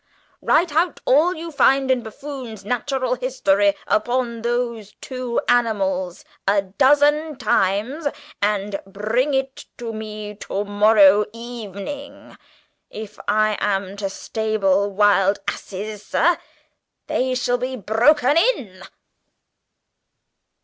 Write out all you find in Buffon's Natural History upon those two animals a dozen times, and bring it to me by to morrow evening. If I am to stable wild asses, sir, they shall be broken in!"